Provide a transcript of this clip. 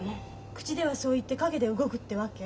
口ではそう言って陰で動くってわけ？